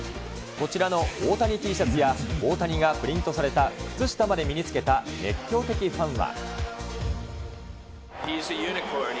こちらの大谷Ｔシャツや、大谷がプリントされた靴下まで身につけた熱狂的ファンは。